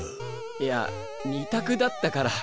いや２択だったから。